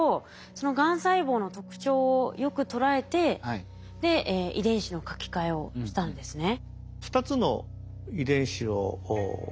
そのがん細胞の特徴をよく捉えてで遺伝子の書き換えをしたんですね。